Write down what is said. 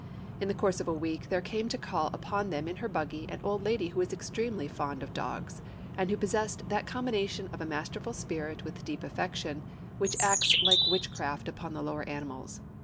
In the course of a week there came to call upon them in her buggy an old lady who is extremely fond of dogs, and who possesses that combination of a masterful spirit with deep affection which acts like witchcraft upon the lower animals.